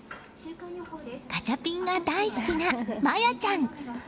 ガチャピンが大好きな茉弥ちゃん。